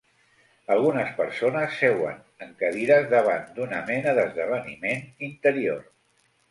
Algunes persones seuen en cadires davant d'una mena d'esdeveniment interior.